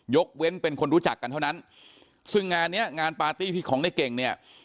เว้นเป็นคนรู้จักกันเท่านั้นซึ่งงานเนี้ยงานปาร์ตี้ที่ของในเก่งเนี่ย